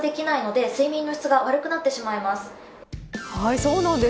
そうなんです。